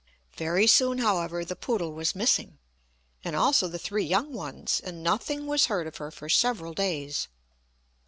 Very soon, however, the poodle was missing, and also the three young ones, and nothing was heard of her for several days.